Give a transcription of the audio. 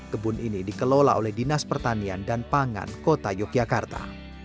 kebun ini dikelola oleh dinas pertanian dan pangan kota yogyakarta